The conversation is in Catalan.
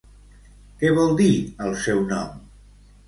Què vol dir el seu nom?